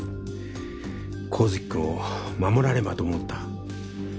神月くんを守らねばと思った。